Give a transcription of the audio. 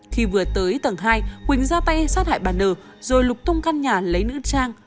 khi vừa tới tầng hai quỳnh ra tay sát hại bà n rồi lục tung căn nhà lấy nữ trang